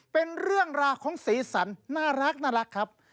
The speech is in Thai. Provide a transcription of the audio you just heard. เป็นเรื่องราวของสีสันน่ารักครับ